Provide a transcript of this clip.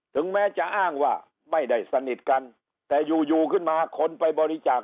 ถึงแม้จะอ้างว่าไม่ได้สนิทกันแต่อยู่อยู่ขึ้นมาคนไปบริจาค